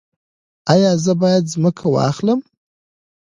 ایا زه باید ځمکه واخلم؟